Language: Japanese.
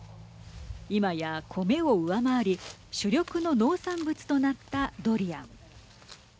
今やコメを上回り主力の農産物となったドリアン。